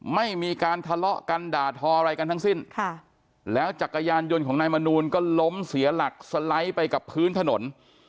ไม่มีการทะเลาะกันด่าทออะไรกันทั้งสิ้นแล้วจักรยานยนต์ของนายมนูลก็ล้มเสียหลักสไลด์ไปกับพื้นถนน